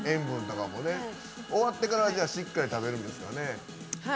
終わってからしっかり食べるんですかね。